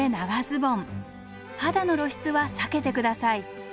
肌の露出は避けて下さい。